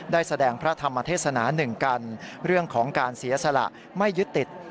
แสดงพระธรรมเทศนาหนึ่งกันเรื่องของการเสียสละไม่ยึดติด